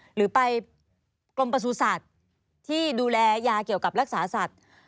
หรือไปกรมประสูจัตว์ที่ดูแลยาเกี่ยวกับรักษาสัตว์